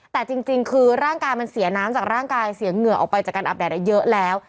แต่จริงคือร่างกายมันเสียน้ำจากร่างกายเสียเหงื่อออกไปจากการอาบแดดได้เยอะแล้ว